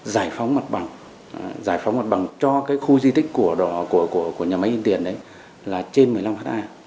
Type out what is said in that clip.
giải phóng mặt bằng giải phóng mặt bằng cho cái khu di tích của nhà máy in tiền đấy là trên một mươi năm ha